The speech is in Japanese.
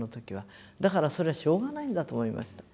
だからそれはしょうがないんだと思いました。